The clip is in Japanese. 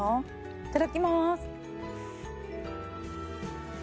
いただきます。